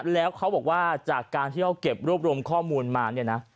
แล้วเขาบอกว่าจากการที่เขาเก็บรวบรวมข้อมูลมาเนี่ยนะ